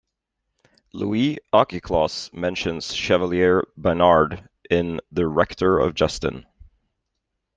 Louis Auchicloss mentions Chevalier Baynard in "The Rector of Justin".